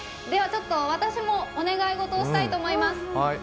私もお願い事をしたいと思います。